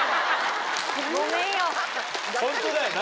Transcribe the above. ホントだよな。